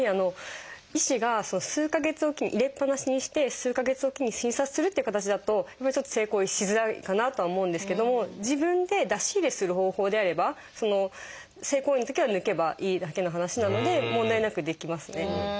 医師が数か月おきに入れっぱなしにして数か月おきに診察するっていう形だとちょっと性行為しづらいかなとは思うんですけども自分で出し入れする方法であれば性行為のときは抜けばいいだけの話なので問題なくできますね。